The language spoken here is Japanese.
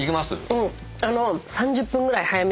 うん。